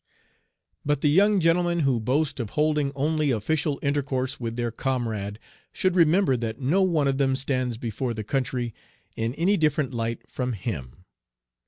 "But the young gentlemen who boast of holding only official intercourse with their comrade, should remember that no one of them stands before the country in any different light from him.